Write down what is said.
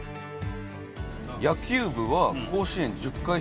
野球部は甲子園１０回出場。